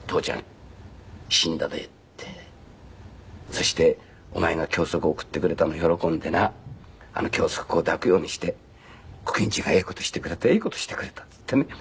そして「お前が脇息送ってくれたの喜んでな脇息を抱くようにして“小金治がええ事してくれたええ事してくれた”っつってね